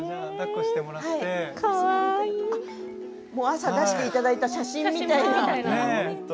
朝出していただいた写真みたいな。